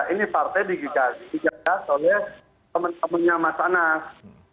ini partai digagas oleh teman temannya mas anas